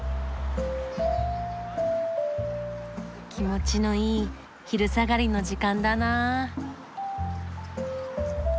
気持ちのいい昼下がりの時間だな。